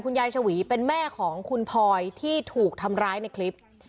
ยายชวีเป็นแม่ของคุณพลอยที่ถูกทำร้ายในคลิป